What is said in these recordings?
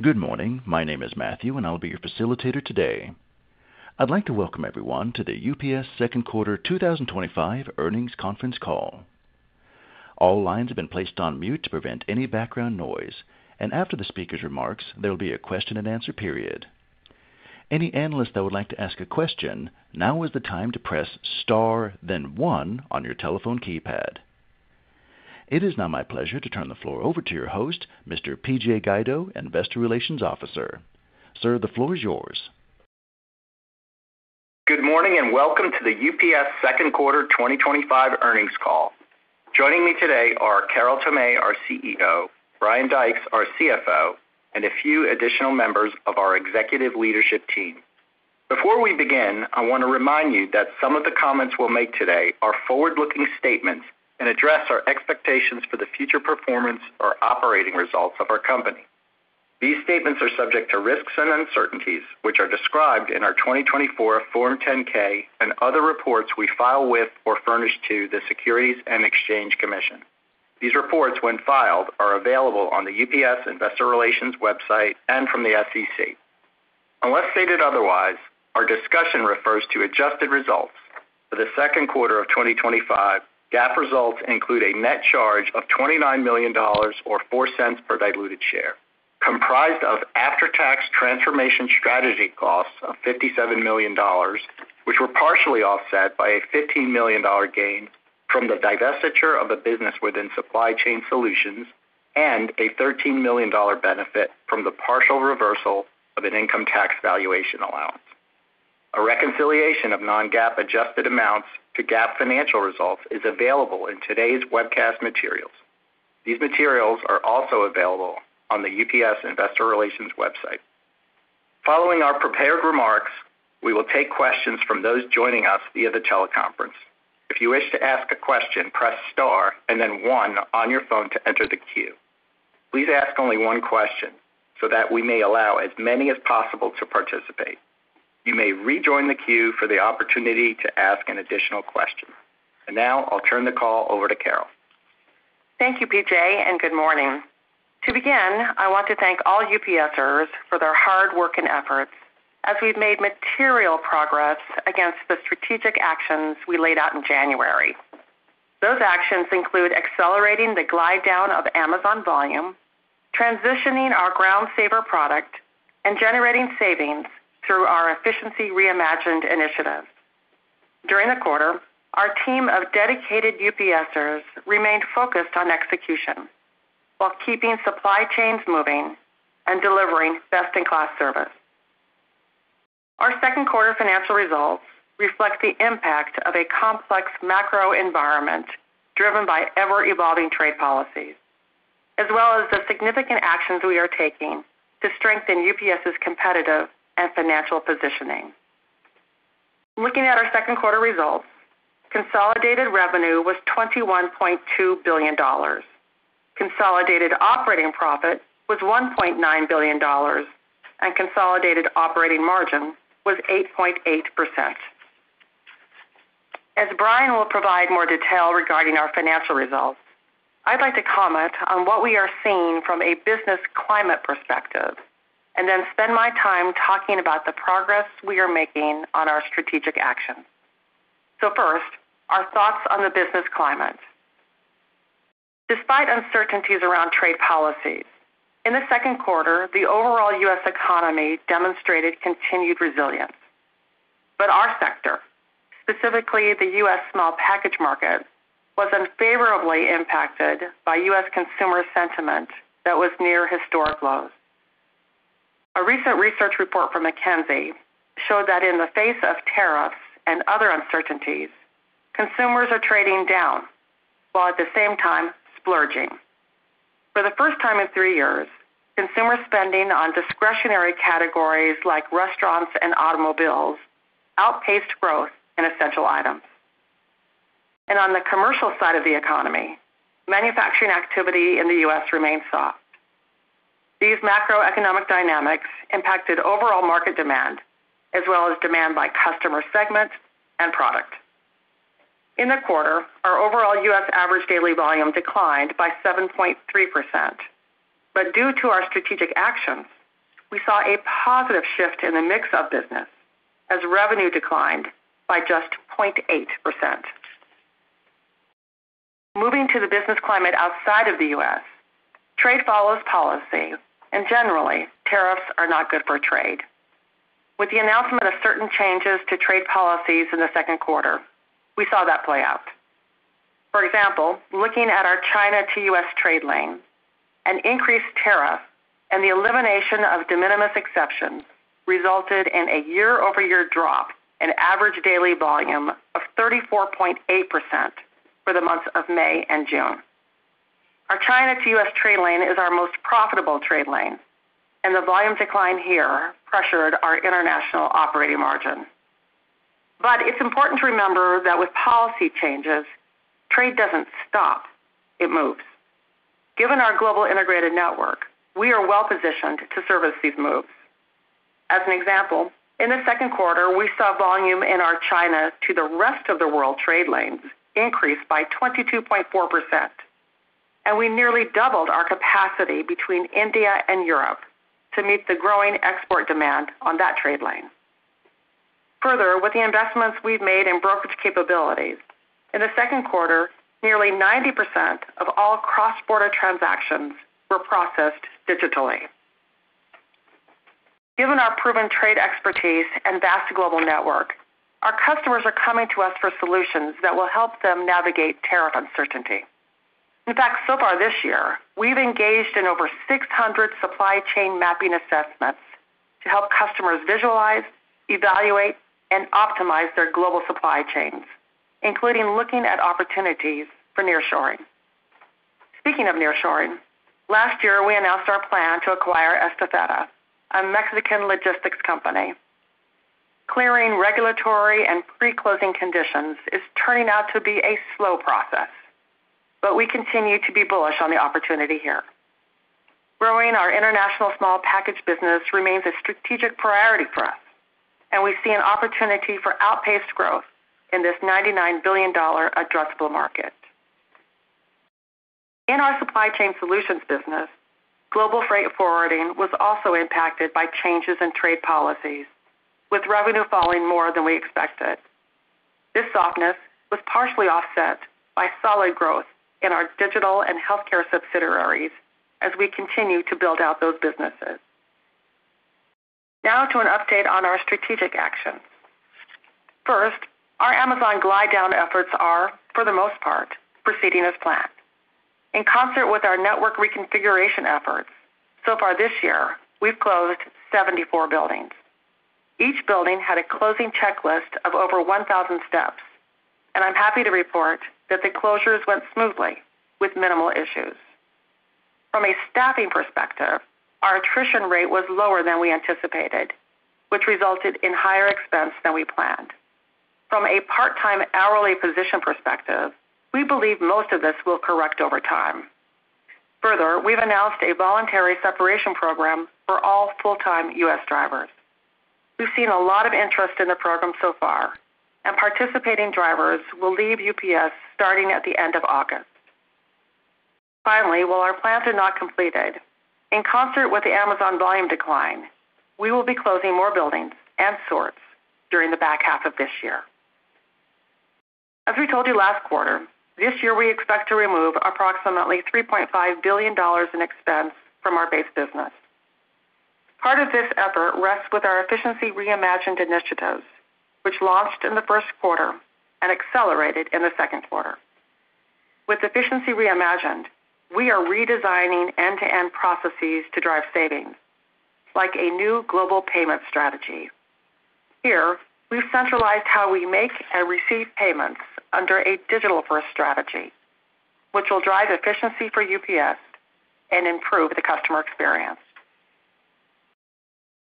Good morning. My name is Matthew, and I'll be your facilitator today. I'd like to welcome everyone to the UPS Second Quarter 2025 Earnings Conference Call. All lines have been placed on mute to prevent any background noise, and after the speakers' remarks, there will be a question-and-answer period. Any analysts that would like to ask a question, now is the time to press star, then one on your telephone keypad. It is now my pleasure to turn the floor over to your host, Mr. PJ Guido, Investor Relations Officer. Sir, the floor is yours. Good morning and welcome to the UPS Second Quarter 2025 Earnings Call. Joining me today are Carol Tomé, our CEO, Brian Dykes, our CFO, and a few additional members of our executive leadership team. Before we begin, I want to remind you that some of the comments we'll make today are forward-looking statements and address our expectations for the future performance or operating results of our company. These statements are subject to risks and uncertainties, which are described in our 2024 Form 10-K and other reports we file with or furnish to the Securities and Exchange Commission. These reports, when filed, are available on the UPS Investor Relations website and from the SEC. Unless stated otherwise, our discussion refers to adjusted results. For the second quarter of 2025, GAAP results include a net charge of $29 million, or $0.04 per diluted share, comprised of after-tax transformation strategy costs of $57 million, which were partially offset by a $15 million gain from the divestiture of a business within Supply Chain Solutions and a $13 million benefit from the partial reversal of an income tax valuation allowance. A reconciliation of non-GAAP adjusted amounts to GAAP financial results is available in today's webcast materials. These materials are also available on the UPS Investor Relations website. Following our prepared remarks, we will take questions from those joining us via the teleconference. If you wish to ask a question, press star and then one on your phone to enter the queue. Please ask only one question so that we may allow as many as possible to participate. You may rejoin the queue for the opportunity to ask an additional question. Now I'll turn the call over to Carol. Thank you, PJ, and good morning. To begin, I want to thank all UPSers for their hard work and efforts as we've made material progress against the strategic actions we laid out in January. Those actions include accelerating the glide down of Amazon volume, transitioning our Ground Saver product, and generating savings through our Efficiency Reimagined initiative. During the quarter, our team of dedicated UPSers remained focused on execution while keeping supply chains moving and delivering best-in-class service. Our second quarter financial results reflect the impact of a complex macro environment driven by ever-evolving trade policies, as well as the significant actions we are taking to strengthen UPS's competitive and financial positioning. Looking at our second quarter results, consolidated revenue was $21.2 billion. Consolidated operating profit was $1.9 billion, and consolidated operating margin was 8.8%. As Brian will provide more detail regarding our financial results, I'd like to comment on what we are seeing from a business climate perspective and then spend my time talking about the progress we are making on our strategic actions. First, our thoughts on the business climate. Despite uncertainties around trade policies, in the second quarter, the overall U.S. economy demonstrated continued resilience. Our sector, specifically the U.S. small package market, was unfavorably impacted by U.S. consumer sentiment that was near historic lows. A recent research report from McKinsey showed that in the face of tariffs and other uncertainties, consumers are trading down, while at the same time splurging. For the first time in three years, consumer spending on discretionary categories like restaurants and automobiles outpaced growth in essential items. On the commercial side of the economy, manufacturing activity in the U.S. remained soft. These macroeconomic dynamics impacted overall market demand as well as demand by customer segments and product. In the quarter, our overall U.S. average daily volume declined by 7.3%. Due to our strategic actions, we saw a positive shift in the mix of business as revenue declined by just 0.8%. Moving to the business climate outside of the U.S., trade follows policy, and generally, tariffs are not good for trade. With the announcement of certain changes to trade policies in the second quarter, we saw that play out. For example, looking at our China to U.S. trade lane, an increased tariff and the elimination of de minimis exceptions resulted in a year-over-year drop in average daily volume of 34.8% for the months of May and June. Our China to U.S. trade lane is our most profitable trade lane, and the volume decline here pressured our international operating margin. It is important to remember that with policy changes, trade does not stop; it moves. Given our global integrated network, we are well positioned to service these moves. As an example, in the second quarter, we saw volume in our China to the rest of the world trade lanes increase by 22.4%. We nearly doubled our capacity between India and Europe to meet the growing export demand on that trade lane. Further, with the investments we have made in brokerage capabilities, in the second quarter, nearly 90% of all cross-border transactions were processed digitally. Given our proven trade expertise and vast global network, our customers are coming to us for solutions that will help them navigate tariff uncertainty. In fact, so far this year, we have engaged in over 600 supply chain mapping assessments to help customers visualize, evaluate, and optimize their global supply chains, including looking at opportunities for nearshoring. Speaking of nearshoring, last year we announced our plan to acquire Estafeta, a Mexican logistics company. Clearing regulatory and pre-closing conditions is turning out to be a slow process. We continue to be bullish on the opportunity here. Growing our international small package business remains a strategic priority for us, and we see an opportunity for outpaced growth in this $99 billion addressable market. In our supply chain solutions business, global freight forwarding was also impacted by changes in trade policies, with revenue falling more than we expected. This softness was partially offset by solid growth in our digital and healthcare subsidiaries as we continue to build out those businesses. Now to an update on our strategic actions. First, our Amazon glide down efforts are, for the most part, proceeding as planned. In concert with our network reconfiguration efforts, so far this year, we have closed 74 buildings. Each building had a closing checklist of over 1,000 steps, and I am happy to report that the closures went smoothly with minimal issues. From a staffing perspective, our attrition rate was lower than we anticipated, which resulted in higher expense than we planned. From a part-time hourly position perspective, we believe most of this will correct over time. Further, we've announced a voluntary separation program for all full-time U.S. drivers. We've seen a lot of interest in the program so far, and participating drivers will leave UPS starting at the end of August. Finally, while our plan to not complete it, in concert with the Amazon volume decline, we will be closing more buildings and sorts during the back half of this year. As we told you last quarter, this year we expect to remove approximately $3.5 billion in expense from our base business. Part of this effort rests with our Efficiency Reimagined initiatives, which launched in the first quarter and accelerated in the second quarter. With Efficiency Reimagined, we are redesigning end-to-end processes to drive savings, like a new global payment strategy. Here, we've centralized how we make and receive payments under a digital-first strategy, which will drive efficiency for UPS and improve the customer experience.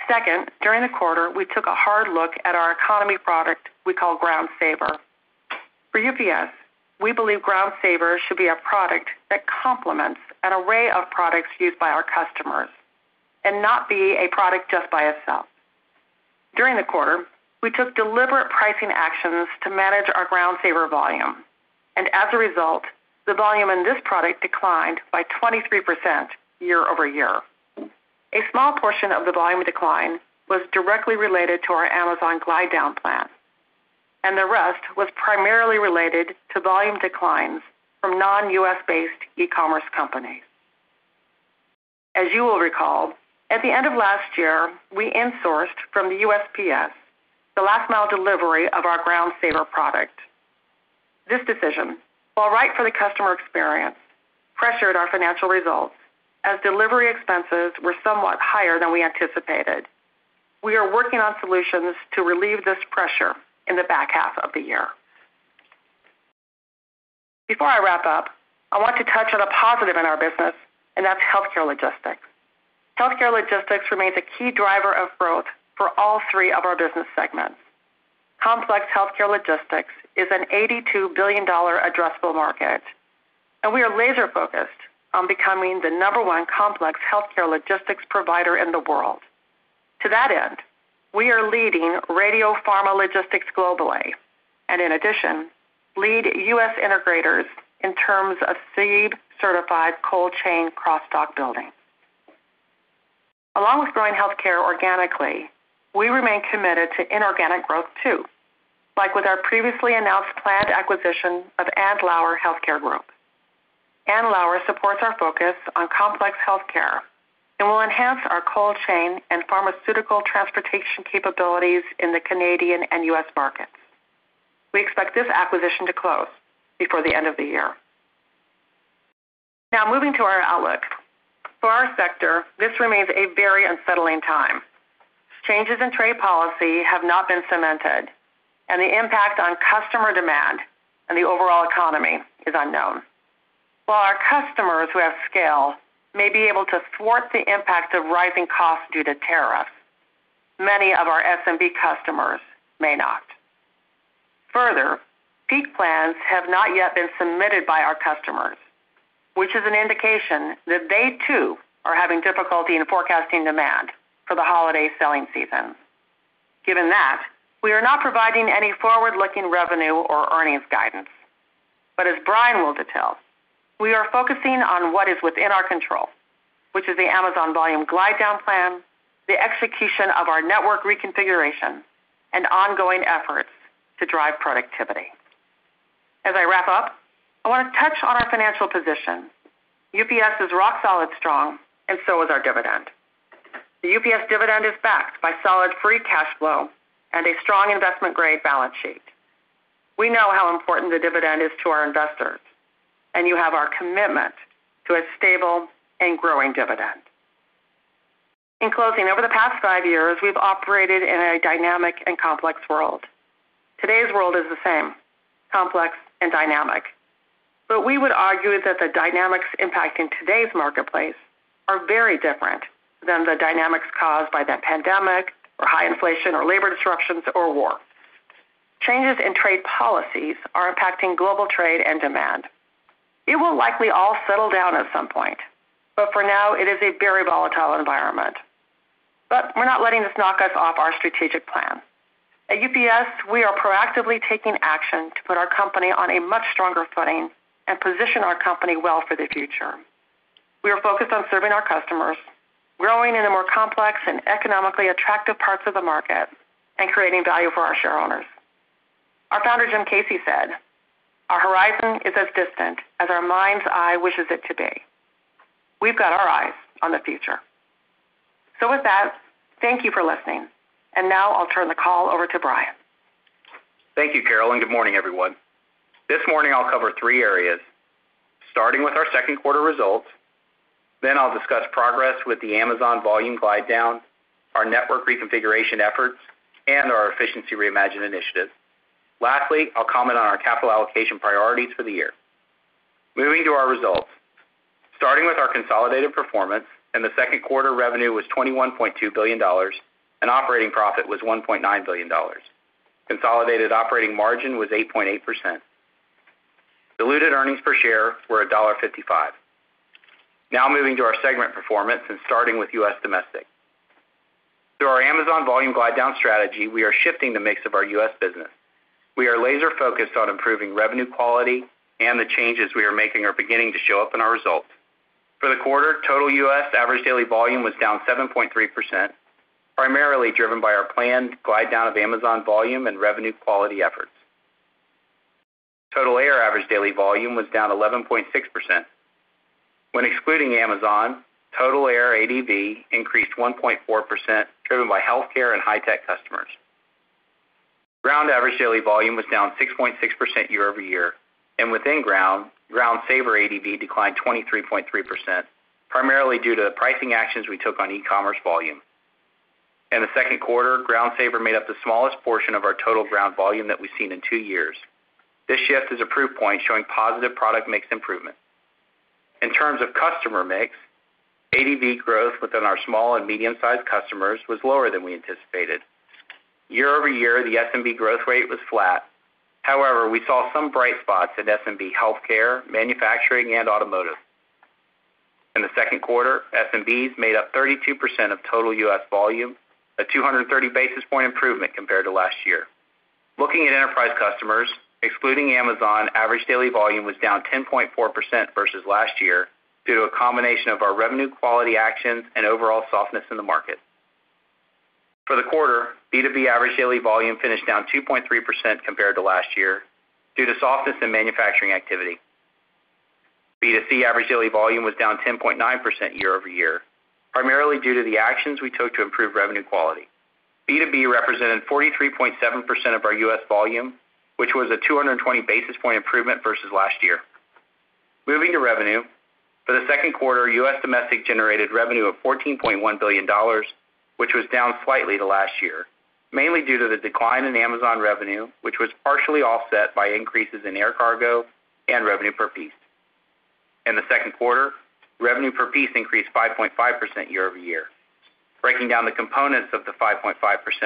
Second, during the quarter, we took a hard look at our economy product we call Ground Saver. For UPS, we believe Ground Saver should be a product that complements an array of products used by our customers and not be a product just by itself. During the quarter, we took deliberate pricing actions to manage our Ground Saver volume, and as a result, the volume in this product declined by 23% year-over-year. A small portion of the volume decline was directly related to our Amazon glide down plan, and the rest was primarily related to volume declines from non-U.S.-based e-commerce companies. As you will recall, at the end of last year, we insourced from the USPS the last mile delivery of our Ground Saver product. This decision, while right for the customer experience, pressured our financial results as delivery expenses were somewhat higher than we anticipated. We are working on solutions to relieve this pressure in the back half of the year. Before I wrap up, I want to touch on a positive in our business, and that's healthcare logistics. Healthcare logistics remains a key driver of growth for all three of our business segments. Complex healthcare logistics is an $82 billion addressable market. We are laser-focused on becoming the number one complex healthcare logistics provider in the world. To that end, we are leading radiopharma logistics globally and, in addition, lead U.S. integrators in terms of CEIV-certified cold chain cross-dock building. Along with growing healthcare organically, we remain committed to inorganic growth too, like with our previously announced planned acquisition of Andlauer Healthcare Group. Andlauer supports our focus on complex healthcare and will enhance our cold chain and pharmaceutical transportation capabilities in the Canadian and U.S. markets. We expect this acquisition to close before the end of the year. Now moving to our outlook. For our sector, this remains a very unsettling time. Changes in trade policy have not been cemented, and the impact on customer demand and the overall economy is unknown. While our customers who have scale may be able to thwart the impact of rising costs due to tariffs, many of our SMB customers may not. Further, peak plans have not yet been submitted by our customers, which is an indication that they too are having difficulty in forecasting demand for the holiday selling season. Given that, we are not providing any forward-looking revenue or earnings guidance. As Brian will detail, we are focusing on what is within our control, which is the Amazon volume glide down plan, the execution of our network reconfiguration, and ongoing efforts to drive productivity. As I wrap up, I want to touch on our financial position. UPS is rock solid strong, and so is our dividend. The UPS dividend is backed by solid free cash flow and a strong investment-grade balance sheet. We know how important the dividend is to our investors, and you have our commitment to a stable and growing dividend. In closing, over the past five years, we've operated in a dynamic and complex world. Today's world is the same: complex and dynamic. We would argue that the dynamics impacting today's marketplace are very different than the dynamics caused by that pandemic, or high inflation, or labor disruptions, or war. Changes in trade policies are impacting global trade and demand. It will likely all settle down at some point, but for now, it is a very volatile environment. We're not letting this knock us off our strategic plan. At UPS, we are proactively taking action to put our company on a much stronger footing and position our company well for the future. We are focused on serving our customers, growing in the more complex and economically attractive parts of the market, and creating value for our shareholders. Our founder, Jim Casey, said, "Our horizon is as distant as our mind's eye wishes it to be." We've got our eyes on the future. With that, thank you for listening. I will turn the call over to Brian. Thank you, Carol, and good morning, everyone. This morning, I will cover three areas, starting with our second quarter results. Then I will discuss progress with the Amazon volume glide down, our network reconfiguration efforts, and our Efficiency Reimagined initiatives. Lastly, I will comment on our capital allocation priorities for the year. Moving to our results. Starting with our consolidated performance, the second quarter revenue was $21.2 billion, and operating profit was $1.9 billion. Consolidated operating margin was 8.8%. Diluted earnings per share were $1.55. Now moving to our segment performance and starting with U.S. domestic. Through our Amazon volume glide down strategy, we are shifting the mix of our U.S. business. We are laser-focused on improving revenue quality, and the changes we are making are beginning to show up in our results. For the quarter, total U.S. average daily volume was down 7.3%, primarily driven by our planned glide down of Amazon volume and revenue quality efforts. Total air average daily volume was down 11.6%. When excluding Amazon, total air ADV increased 1.4%, driven by healthcare and high-tech customers. Ground average daily volume was down 6.6% year-over-year. Within ground, Ground Saver ADV declined 23.3%, primarily due to the pricing actions we took on e-commerce volume. In the second quarter, Ground Saver made up the smallest portion of our total ground volume that we have seen in two years. This shift is a proof point showing positive product mix improvement. In terms of customer mix, ADV growth within our small and medium-sized customers was lower than we anticipated. Year-over-year, the SMB growth rate was flat. However, we saw some bright spots in SMB healthcare, manufacturing, and automotive. In the second quarter, SMB's made up 32% of total U.S. volume, a 230 basis point improvement compared to last year. Looking at enterprise customers, excluding Amazon, average daily volume was down 10.4% versus last year due to a combination of our revenue quality actions and overall softness in the market. For the quarter, B2B average daily volume finished down 2.3% compared to last year due to softness in manufacturing activity. B2C average daily volume was down 10.9% year-over-year, primarily due to the actions we took to improve revenue quality. B2B represented 43.7% of our U.S. volume, which was a 220 basis point improvement versus last year. Moving to revenue, for the second quarter, U.S. domestic generated revenue of $14.1 billion, which was down slightly to last year, mainly due to the decline in Amazon revenue, which was partially offset by increases in air cargo and revenue per piece. In the second quarter, revenue per piece increased 5.5% year-over-year. Breaking down the components of the 5.5%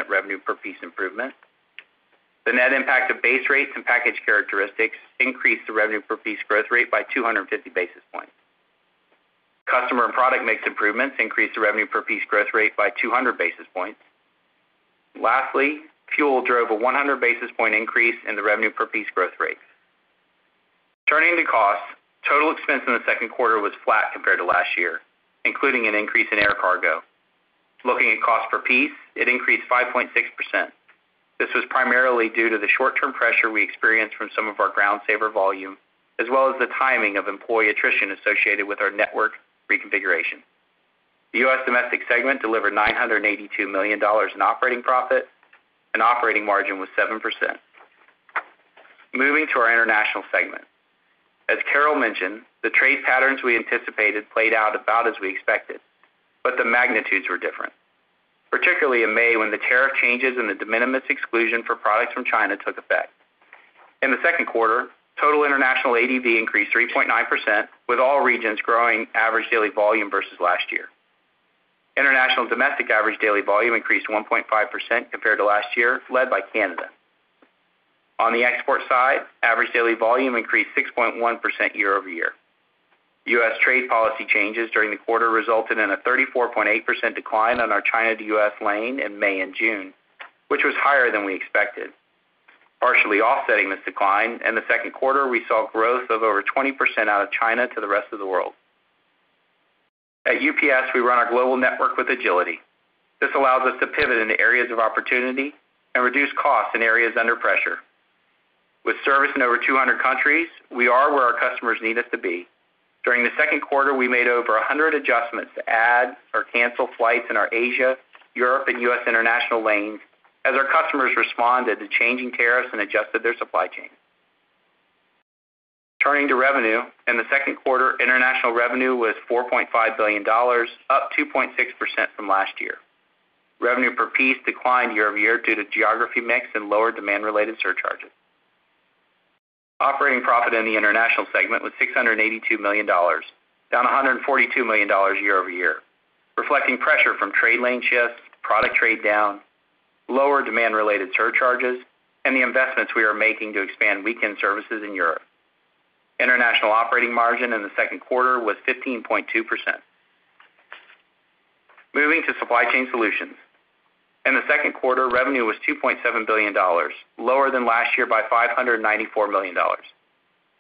revenue per piece improvement, the net impact of base rates and package characteristics increased the revenue per piece growth rate by 250 basis points. Customer and product mix improvements increased the revenue per piece growth rate by 200 basis points. Lastly, fuel drove a 100 basis point increase in the revenue per piece growth rate. Turning to costs, total expense in the second quarter was flat compared to last year, including an increase in air cargo. Looking at cost per piece, it increased 5.6%. This was primarily due to the short-term pressure we experienced from some of our Ground Saver volume, as well as the timing of employee attrition associated with our network reconfiguration. The U.S. domestic segment delivered $982 million in operating profit. Operating margin was 7%. Moving to our international segment. As Carol mentioned, the trade patterns we anticipated played out about as we expected, but the magnitudes were different, particularly in May when the tariff changes and the de minimis exclusion for products from China took effect. In the second quarter, total international ADV increased 3.9%, with all regions growing average daily volume versus last year. International domestic average daily volume increased 1.5% compared to last year, led by Canada. On the export side, average daily volume increased 6.1% year-over-year. U.S. trade policy changes during the quarter resulted in a 34.8% decline on our China to U.S. lane in May and June, which was higher than we expected. Partially offsetting this decline in the second quarter, we saw growth of over 20% out of China to the rest of the world. At UPS, we run our global network with agility. This allows us to pivot into areas of opportunity and reduce costs in areas under pressure. With service in over 200 countries, we are where our customers need us to be. During the second quarter, we made over 100 adjustments to add or cancel flights in our Asia, Europe, and U.S. international lanes as our customers responded to changing tariffs and adjusted their supply chain. Turning to revenue, in the second quarter, international revenue was $4.5 billion, up 2.6% from last year. Revenue per piece declined year over year due to geography mix and lower demand-related surcharges. Operating profit in the international segment was $682 million, down $142 million year-over-year, reflecting pressure from trade lane shifts, product trade down, lower demand-related surcharges, and the investments we are making to expand weekend services in Europe. International operating margin in the second quarter was 15.2%. Moving to supply chain solutions. In the second quarter, revenue was $2.7 billion, lower than last year by $594 million.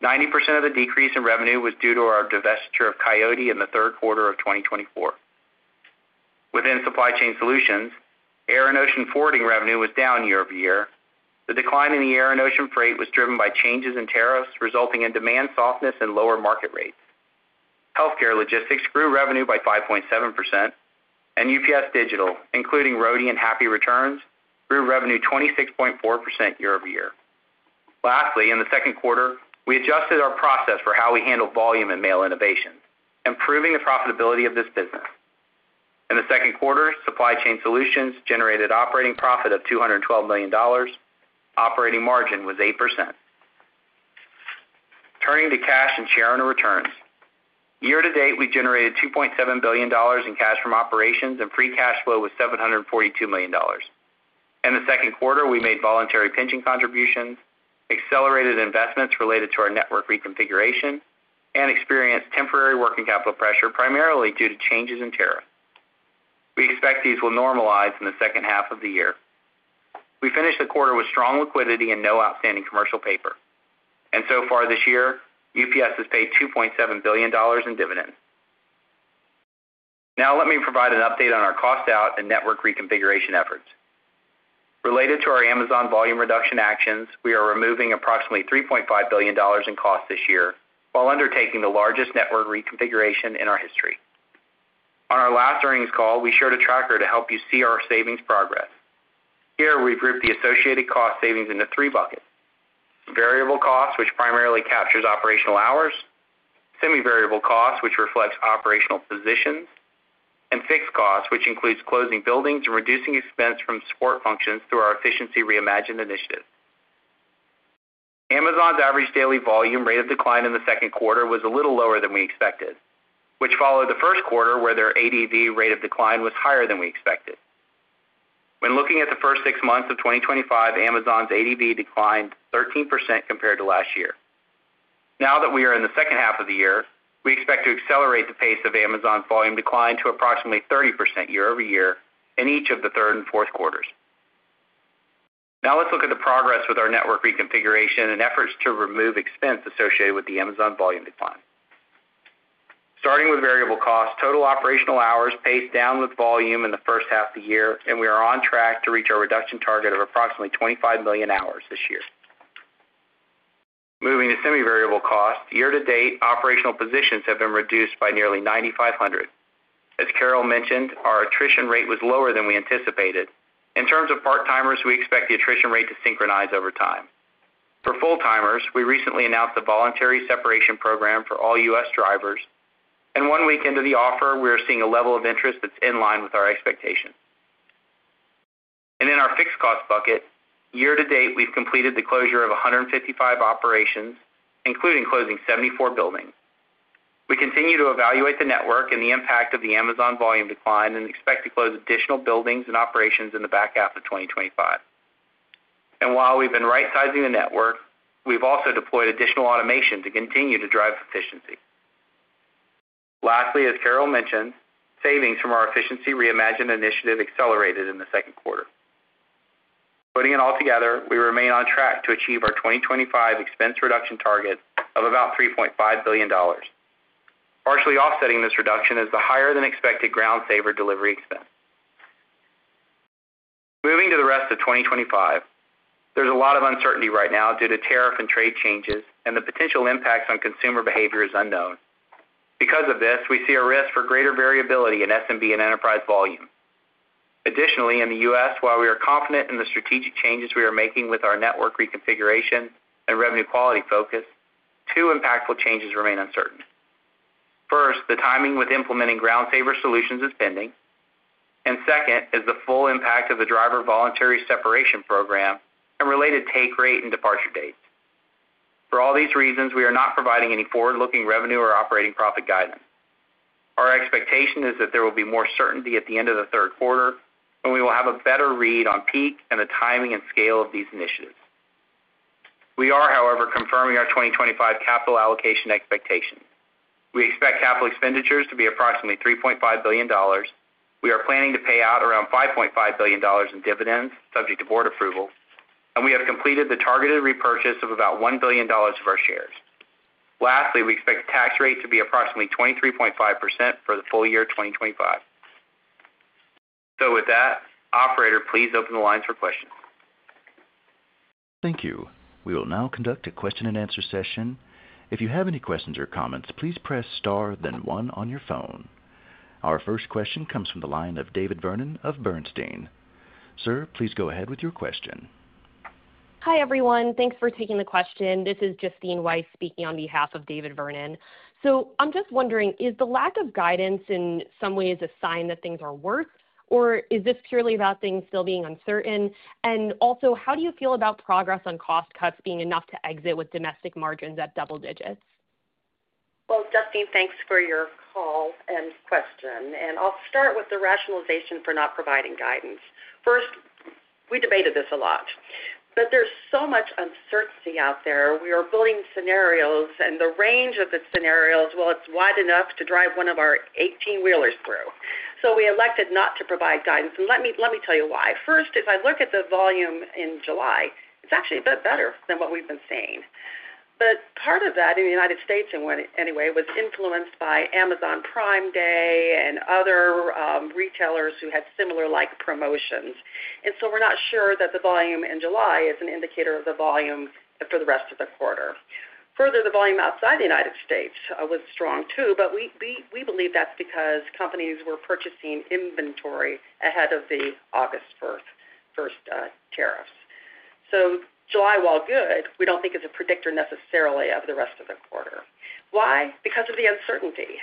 90% of the decrease in revenue was due to our divestiture of Coyote in the third quarter of 2024. Within supply chain solutions, air and ocean forwarding revenue was down year-over-year. The decline in the air and ocean freight was driven by changes in tariffs, resulting in demand softness and lower market rates. Healthcare logistics grew revenue by 5.7%, and UPS Digital, including Roadie and Happy Returns, grew revenue 26.4% year-over-year. Lastly, in the second quarter, we adjusted our process for how we handle volume and mail innovations, improving the profitability of this business. In the second quarter, supply chain solutions generated operating profit of $212 million. Operating margin was 8%. Turning to cash and shareholder returns. Year to date, we generated $2.7 billion in cash from operations, and free cash flow was $742 million. In the second quarter, we made voluntary pension contributions, accelerated investments related to our network reconfiguration, and experienced temporary working capital pressure, primarily due to changes in tariffs. We expect these will normalize in the second half of the year. We finished the quarter with strong liquidity and no outstanding commercial paper. So far this year, UPS has paid $2.7 billion in dividends. Now let me provide an update on our cost out and network reconfiguration efforts. Related to our Amazon volume reduction actions, we are removing approximately $3.5 billion in costs this year while undertaking the largest network reconfiguration in our history. On our last earnings call, we showed a tracker to help you see our savings progress. Here, we've grouped the associated cost savings into three buckets: variable costs, which primarily captures operational hours; semi-variable costs, which reflects operational positions; and fixed costs, which includes closing buildings and reducing expense from support functions through our Efficiency Reimagined initiative. Amazon's average daily volume rate of decline in the second quarter was a little lower than we expected, which followed the first quarter where their ADV rate of decline was higher than we expected. When looking at the first six months of 2025, Amazon's ADV declined 13% compared to last year. Now that we are in the second half of the year, we expect to accelerate the pace of Amazon's volume decline to approximately 30% year-over-year in each of the third and fourth quarters. Now let's look at the progress with our network reconfiguration and efforts to remove expense associated with the Amazon volume decline. Starting with variable costs, total operational hours paced down with volume in the first half of the year, and we are on track to reach our reduction target of approximately 25 million hours this year. Moving to semi-variable costs, year to date, operational positions have been reduced by nearly 9,500. As Carol mentioned, our attrition rate was lower than we anticipated. In terms of part-timers, we expect the attrition rate to synchronize over time. For full-timers, we recently announced a voluntary separation program for all U.S. drivers. One week into the offer, we are seeing a level of interest that's in line with our expectations. In our fixed cost bucket, year to date, we've completed the closure of 155 operations, including closing 74 buildings. We continue to evaluate the network and the impact of the Amazon volume decline and expect to close additional buildings and operations in the back half of 2025. While we've been right-sizing the network, we've also deployed additional automation to continue to drive efficiency. Lastly, as Carol mentioned, savings from our Efficiency Reimagined initiative accelerated in the second quarter. Putting it all together, we remain on track to achieve our 2025 expense reduction target of about $3.5 billion. Partially offsetting this reduction is the higher-than-expected Ground Saver delivery expense. Moving to the rest of 2025, there's a lot of uncertainty right now due to tariff and trade changes, and the potential impact on consumer behavior is unknown. Because of this, we see a risk for greater variability in SMB and enterprise volume. Additionally, in the U.S., while we are confident in the strategic changes we are making with our network reconfiguration and revenue quality focus, two impactful changes remain uncertain. First, the timing with implementing Ground Saver solutions is pending. Second is the full impact of the driver voluntary separation program and related take rate and departure dates. For all these reasons, we are not providing any forward-looking revenue or operating profit guidance. Our expectation is that there will be more certainty at the end of the third quarter, and we will have a better read on peak and the timing and scale of these initiatives. We are, however, confirming our 2025 capital allocation expectations. We expect capital expenditures to be approximately $3.5 billion. We are planning to pay out around $5.5 billion in dividends, subject to board approval. We have completed the targeted repurchase of about $1 billion of our shares. Lastly, we expect the tax rate to be approximately 23.5% for the full year 2025. Operator, please open the lines for questions. Thank you. We will now conduct a question-and-answer session. If you have any questions or comments, please press star then one on your phone. Our first question comes from the line of David Vernon of Bernstein. Sir, please go ahead with your question. Hi everyone. Thanks for taking the question. This is Justine Weiss speaking on behalf of David Vernon. Is the lack of guidance in some ways a sign that things are worse, or is this purely about things still being uncertain? Also, how do you feel about progress on cost cuts being enough to exit with domestic margins at double digits? Justine, thanks for your call and question. I'll start with the rationalization for not providing guidance. First, we debated this a lot. There is so much uncertainty out there. We are building scenarios, and the range of the scenarios is wide enough to drive one of our 18 wheelers through. We elected not to provide guidance. Let me tell you why. First, if I look at the volume in July, it's actually a bit better than what we've been seeing. Part of that in the United States, anyway, was influenced by Amazon Prime Day and other retailers who had similar-like promotions. We're not sure that the volume in July is an indicator of the volume for the rest of the quarter. Further, the volume outside the United States was strong too, but we believe that's because companies were purchasing inventory ahead of the August 1st tariffs. July, while good, we don't think is a predictor necessarily of the rest of the quarter. Why? Because of the uncertainty.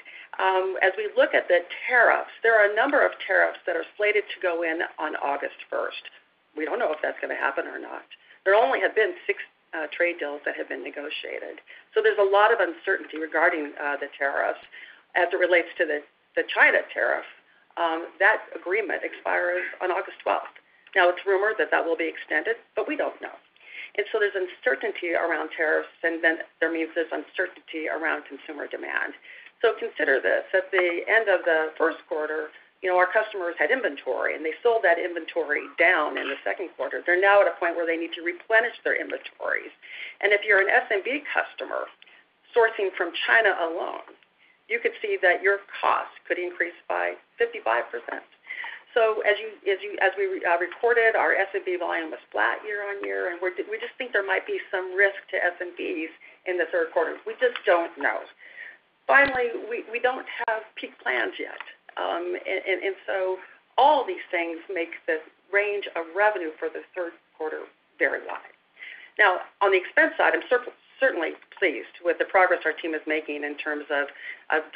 As we look at the tariffs, there are a number of tariffs that are slated to go in on August 1st. We don't know if that's going to happen or not. There only have been six trade deals that have been negotiated. There is a lot of uncertainty regarding the tariffs as it relates to the China tariff. That agreement expires on August 12th. It's rumored that that will be extended, but we don't know. There is uncertainty around tariffs, and then there means there's uncertainty around consumer demand. Consider this: at the end of the first quarter, our customers had inventory, and they sold that inventory down in the second quarter. They're now at a point where they need to replenish their inventories. If you're an SMB customer sourcing from China alone, you could see that your cost could increase by 55%. As we recorded, our SMB volume was flat year-on-year, and we just think there might be some risk to SMBs in the third quarter. We just don't know. Finally, we don't have peak plans yet. All these things make the range of revenue for the third quarter very wide. On the expense side, I'm certainly pleased with the progress our team is making in terms of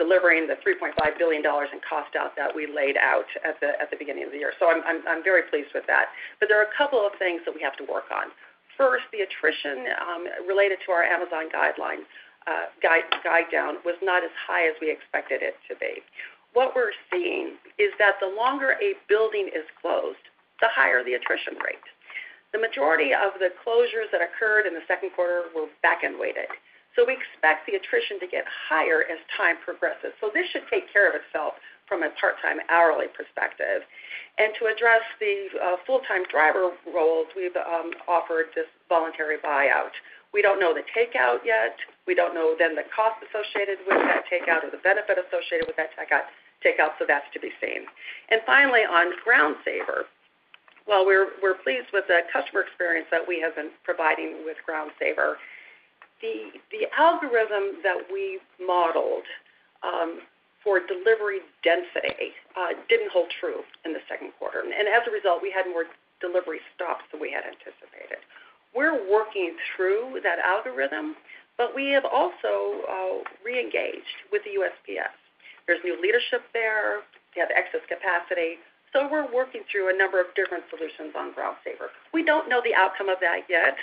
delivering the $3.5 billion in cost out that we laid out at the beginning of the year. I'm very pleased with that. There are a couple of things that we have to work on. First, the attrition related to our Amazon glide down was not as high as we expected it to be. What we're seeing is that the longer a building is closed, the higher the attrition rate. The majority of the closures that occurred in the second quarter were back-end weighted. We expect the attrition to get higher as time progresses. This should take care of itself from a part-time hourly perspective. To address the full-time driver roles, we've offered this voluntary buyout. We don't know the takeout yet. We don't know the cost associated with that takeout or the benefit associated with that takeout, so that's to be seen. Finally, on Ground Saver, while we're pleased with the customer experience that we have been providing with Ground Saver, the algorithm that we modeled for delivery density didn't hold true in the second quarter. As a result, we had more delivery stops than we had anticipated. We're working through that algorithm, but we have also re-engaged with the USPS. There's new leadership there. We have excess capacity. We're working through a number of different solutions on Ground Saver. We don't know the outcome of that yet,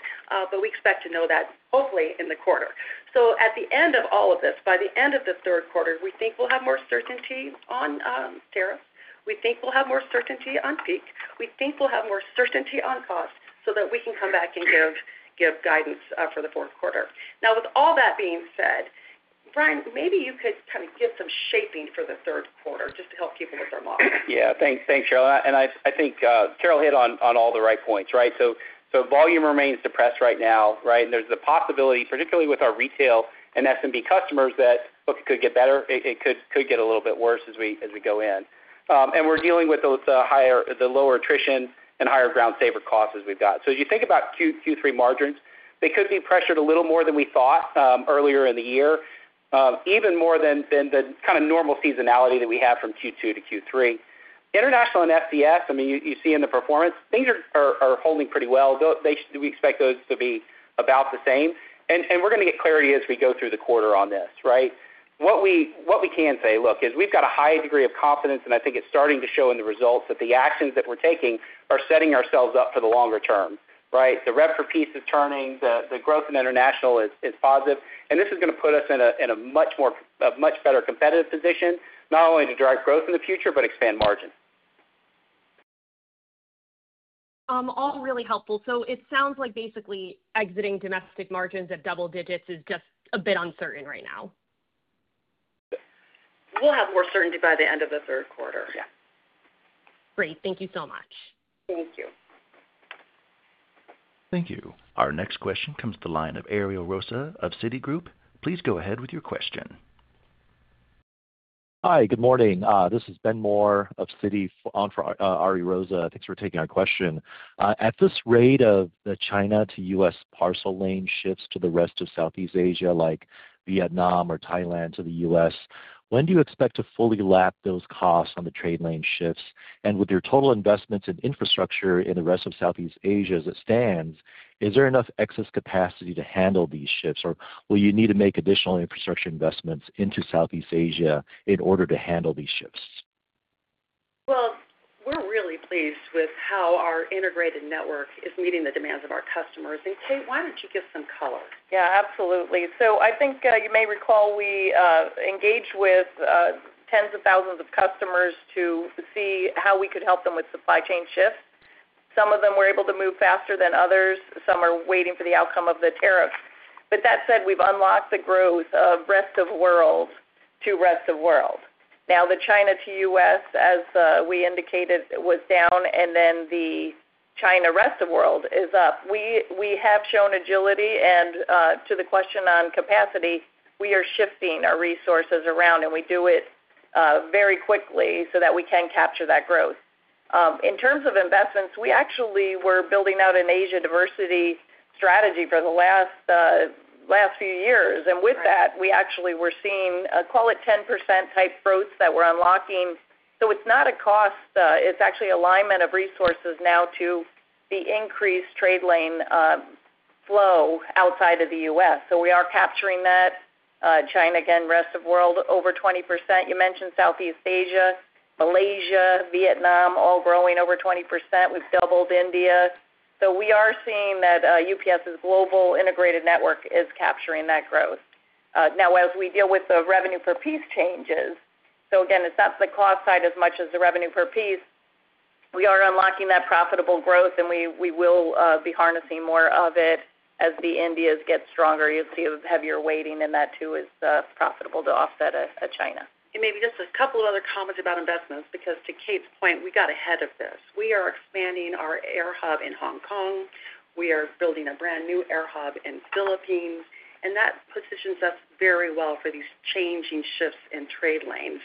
but we expect to know that hopefully in the quarter. At the end of all of this, by the end of the third quarter, we think we'll have more certainty on tariffs. We think we'll have more certainty on peak. We think we'll have more certainty on costs so that we can come back and give guidance for the fourth quarter. Now, with all that being said, Brian, maybe you could kind of give some shaping for the third quarter just to help people with their modeling. Yeah. Thanks, Carol. I think Carol hit on all the right points, right? Volume remains depressed right now, right? There is the possibility, particularly with our retail and SMB customers, that it could get better. It could get a little bit worse as we go in. We are dealing with the lower attrition and higher Ground Saver costs as we have got. As you think about Q3 margins, they could be pressured a little more than we thought earlier in the year, even more than the kind of normal seasonality that we have from Q2 to Q3. International and FDS, I mean, you see in the performance, things are holding pretty well. We expect those to be about the same. We are going to get clarity as we go through the quarter on this, right? What we can say, look, is we have got a high degree of confidence, and I think it is starting to show in the results that the actions that we are taking are setting ourselves up for the longer term, right? The rep for peace is turning. The growth in international is positive. This is going to put us in a much better competitive position, not only to drive growth in the future, but expand margins. All really helpful. It sounds like basically exiting domestic margins at double digits is just a bit uncertain right now. We'll have more certainty by the end of the third quarter. Yeah. Great. Thank you so much. Thank you. Our next question comes to the line of Ariel Rosa of Citigroup. Please go ahead with your question. Hi, good morning. This is Ben Mohr of Citi on for Ariel Rosa. Thanks for taking our question. At this rate of the China to U.S. parcel lane shifts to the rest of Southeast Asia, like Vietnam or Thailand to the U.S., when do you expect to fully lap those costs on the trade lane shifts? With your total investments in infrastructure in the rest of Southeast Asia as it stands, is there enough excess capacity to handle these shifts, or will you need to make additional infrastructure investments into Southeast Asia in order to handle these shifts? We are really pleased with how our integrated network is meeting the demands of our customers. Kate, why do not you give some color? Yeah, absolutely. I think you may recall we engaged with tens of thousands of customers to see how we could help them with supply chain shifts. Some of them were able to move faster than others. Some are waiting for the outcome of the tariffs. That said, we've unlocked the growth of rest of world to rest of world. Now, the China to U.S., as we indicated, was down, and then the China rest of world is up. We have shown agility, and to the question on capacity, we are shifting our resources around, and we do it very quickly so that we can capture that growth. In terms of investments, we actually were building out an Asia diversity strategy for the last few years. With that, we actually were seeing, call it 10% type growths that we're unlocking. It's not a cost. It's actually alignment of resources now to the increased trade lane flow outside of the U.S. We are capturing that. China again, rest of world over 20%. You mentioned Southeast Asia, Malaysia, Vietnam, all growing over 20%. We've doubled India. We are seeing that UPS's global integrated network is capturing that growth. Now, as we deal with the revenue per piece changes, again, it's not the cost side as much as the revenue per piece. We are unlocking that profitable growth, and we will be harnessing more of it as the India's get stronger. You'll see a heavier weighting in that too is profitable to offset a China. Maybe just a couple of other comments about investments because to Kate's point, we got ahead of this. We are expanding our air hub in Hong Kong. We are building a brand new air hub in the Philippines. That positions us very well for these changing shifts in trade lanes.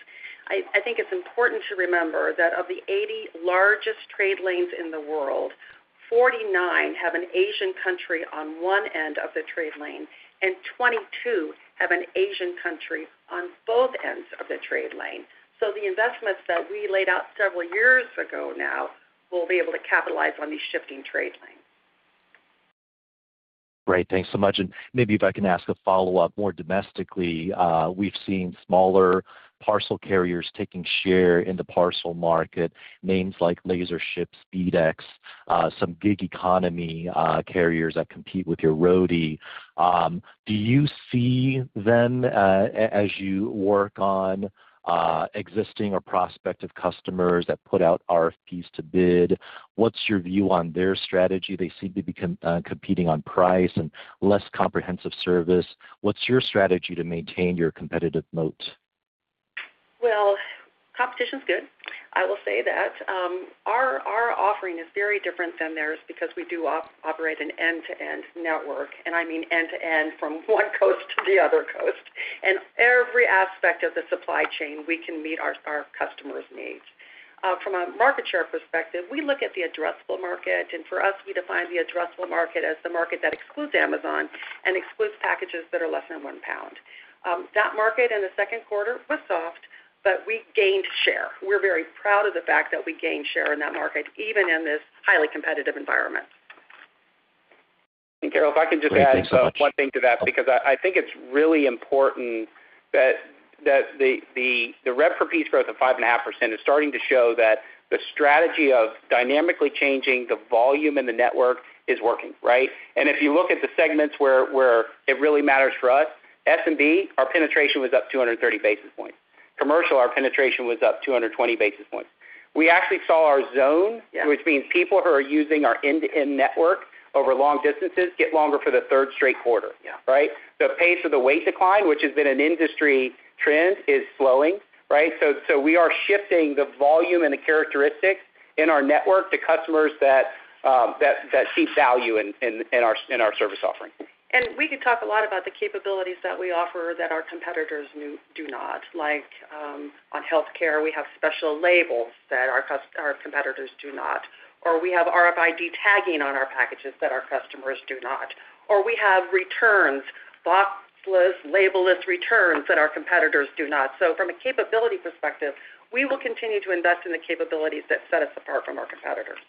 I think it's important to remember that of the 80 largest trade lanes in the world, 49 have an Asian country on one end of the trade lane, and 22 have an Asian country on both ends of the trade lane. The investments that we laid out several years ago now will be able to capitalize on these shifting trade lanes. Great. Thanks so much. Maybe if I can ask a follow-up more domestically, we've seen smaller parcel carriers taking share in the parcel market, names like LaserShip, SpeedX, some gig economy carriers that compete with your Roadie. Do you see them as you work on existing or prospective customers that put out RFPs to bid? What's your view on their strategy? They seem to be competing on price and less comprehensive service. What's your strategy to maintain your competitive moat? Competition's good. I will say that. Our offering is very different than theirs because we do operate an end-to-end network. I mean end-to-end from one coast to the other coast. In every aspect of the supply chain, we can meet our customers' needs. From a market share perspective, we look at the addressable market. For us, we define the addressable market as the market that excludes Amazon and excludes packages that are less than one lbs. That market in the second quarter was soft, but we gained share. We're very proud of the fact that we gained share in that market, even in this highly competitive environment. Carol, if I can just add one thing to that because I think it's really important that the rep for peace growth of 5.5% is starting to show that the strategy of dynamically changing the volume and the network is working, right? If you look at the segments where it really matters for us, SMB, our penetration was up 230 basis points. Commercial, our penetration was up 220 basis points. We actually saw our zone, which means people who are using our end-to-end network over long distances, get longer for the third straight quarter, right? The pace of the weight decline, which has been an industry trend, is slowing, right? We are shifting the volume and the characteristics in our network to customers that see value in our service offering. We could talk a lot about the capabilities that we offer that our competitors do not. Like on healthcare, we have special labels that our competitors do not. We have RFID tagging on our packages that our customers do not. We have boxless, label-less returns that our competitors do not. From a capability perspective, we will continue to invest in the capabilities that set us apart from our competitors.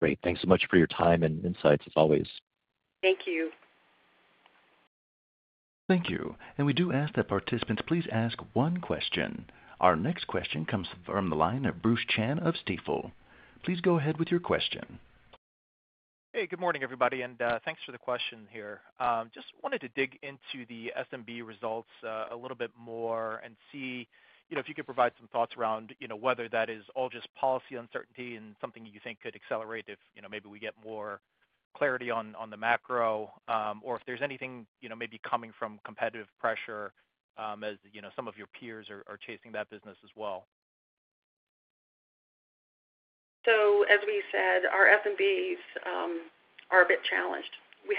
Great. Thanks so much for your time and insights, as always. Thank you. Thank you. We do ask that participants please ask one question. Our next question comes from the line of Bruce Chan of Stifel. Please go ahead with your question. Hey, good morning, everybody. Thanks for the question here. Just wanted to dig into the SMB results a little bit more and see if you could provide some thoughts around whether that is all just policy uncertainty and something you think could accelerate if maybe we get more clarity on the macro or if there's anything maybe coming from competitive pressure as some of your peers are chasing that business as well. As we said, our SMBs are a bit challenged. We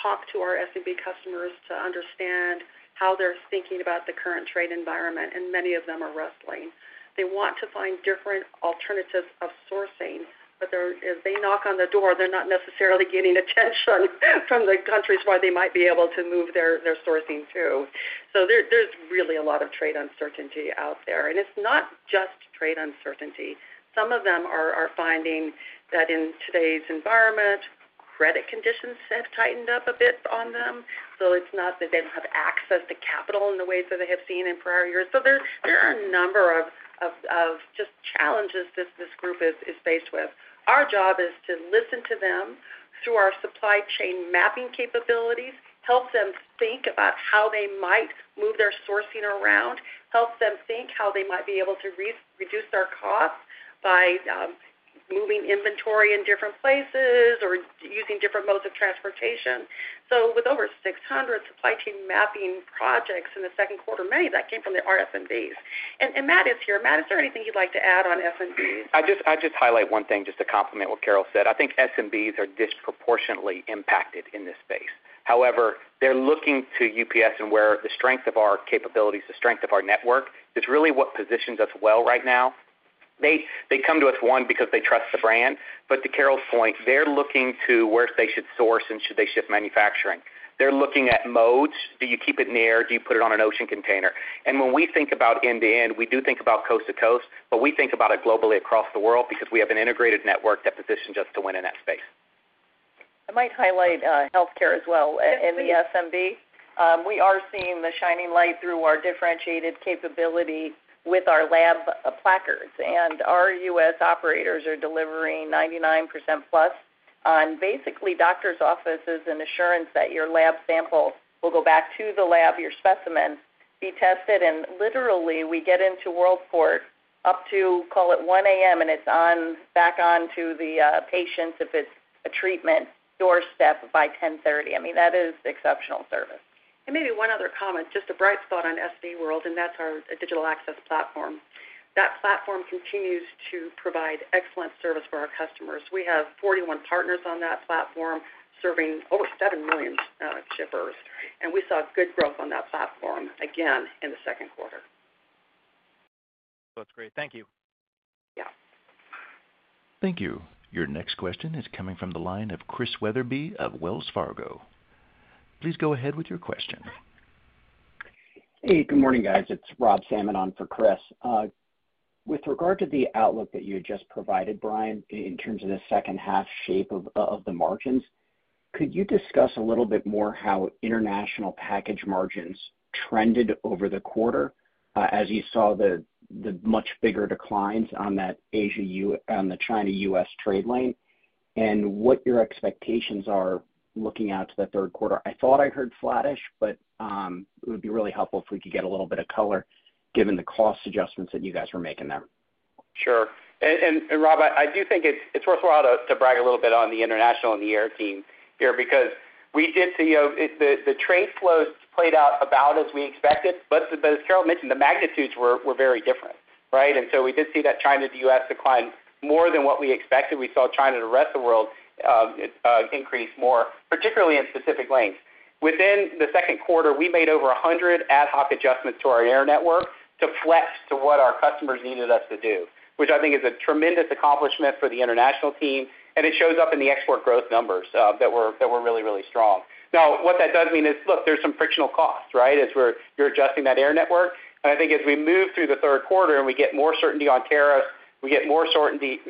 talk to our SMB customers to understand how they're thinking about the current trade environment, and many of them are wrestling. They want to find different alternatives of sourcing, but if they knock on the door, they're not necessarily getting attention from the countries where they might be able to move their sourcing to. There's really a lot of trade uncertainty out there. It's not just trade uncertainty. Some of them are finding that in today's environment, credit conditions have tightened up a bit on them. It's not that they don't have access to capital in the ways that they have seen in prior years. There are a number of challenges this group is faced with. Our job is to listen to them through our supply chain mapping capabilities, help them think about how they might move their sourcing around, help them think how they might be able to reduce their costs by moving inventory in different places or using different modes of transportation. With over 600 supply chain mapping projects in the second quarter, many of that came from the SMBs. Matt is here. Matt, is there anything you'd like to add on SMBs? I just highlight one thing just to complement what Carol said. I think SMBs are disproportionately impacted in this space. However, they're looking to UPS and where the strength of our capabilities, the strength of our network is really what positions us well right now. They come to us, one, because they trust the brand. To Carol's point, they're looking to where they should source and should they shift manufacturing. They're looking at modes. Do you keep it near? Do you put it on an ocean container? When we think about end-to-end, we do think about coast to coast, but we think about it globally across the world because we have an integrated network that positions us to win in that space. I might highlight healthcare as well in the SMB. We are seeing the shining light through our differentiated capability with our lab placards. Our U.S. operators are delivering 99% plus on basically doctor's offices and assurance that your lab sample will go back to the lab, your specimen be tested. I mean, literally, we get into Worldport up to, call it 1:00 A.M., and it is back on to the patient's, if it is a treatment, doorstep by 10:30. I mean, that is exceptional service. Maybe one other comment, just a bright spot on SMB World, and that is our Digital Access Platform. That platform continues to provide excellent service for our customers. We have 41 partners on that platform serving over 7 million shippers. We saw good growth on that platform again in the second quarter. That's great. Thank you. Thank you. Your next question is coming from the line of Chris Weatherbee of Wells Fargo. Please go ahead with your question. Hey, good morning, guys. It's Rob Salmon on for Chris. With regard to the outlook that you had just provided, Brian, in terms of the second-half shape of the margins, could you discuss a little bit more how international package margins trended over the quarter as you saw the much bigger declines on that China-U.S. trade lane and what your expectations are looking out to the third quarter? I thought I heard flattish, but it would be really helpful if we could get a little bit of color given the cost adjustments that you guys were making there. Sure. Rob, I do think it's worthwhile to brag a little bit on the international and the European here because we did see the trade flows played out about as we expected. As Carol mentioned, the magnitudes were very different, right? We did see that China to U.S. decline more than what we expected. We saw China to the rest of the world increase more, particularly in specific lanes. Within the second quarter, we made over 100 ad hoc adjustments to our air network to flex to what our customers needed us to do, which I think is a tremendous accomplishment for the international team. It shows up in the export growth numbers that were really, really strong. Now, what that does mean is, look, there's some frictional cost, right, as you're adjusting that air network. I think as we move through the third quarter and we get more certainty on tariffs, we get more certainty